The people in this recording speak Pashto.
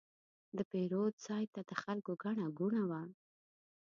د پیرود ځای ته د خلکو ګڼه ګوڼه وه.